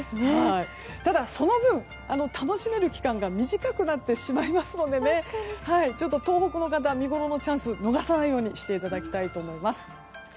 その分、楽しめる期間が短くなってしまいますので東北の方見ごろのチャンスを逃さないようにしてもらいたいと思います。